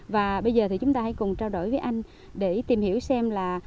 và bây giờ thì chúng ta hãy cùng trao đổi với anh để tìm hiểu xem là